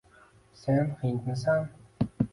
Sen hindmisan